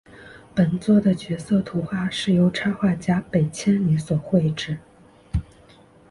本作的角色图画是由插画家北千里所绘制。